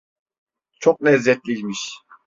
Çok lezzetliymiş.